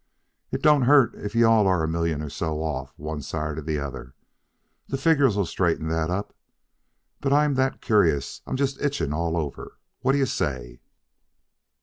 "It don't hurt if you all are a million or so out one side or the other. The figures'll straighten that up. But I'm that curious I'm just itching all over. What d'ye say?"